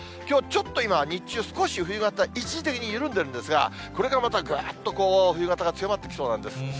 きょうちょっと、今、日中少し、冬型、一時的に緩んでるんですが、これからまたぐーっと冬型が強まってきそうなんです。